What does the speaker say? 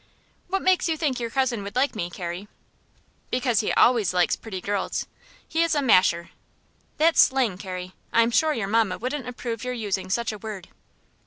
"What makes you think your cousin would like me, Carrie?" "Because he always likes pretty girls. He is a masher." "That's slang, Carrie. I am sure your mamma wouldn't approve your using such a word."